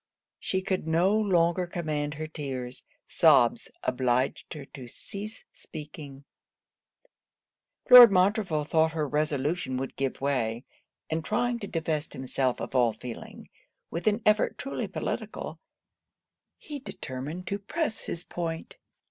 She could no longer command her tears sobs obliged her to cease speaking. Lord Montreville thought her resolution would give way; and trying to divest himself of all feeling, with an effort truly political, he determined to press his point.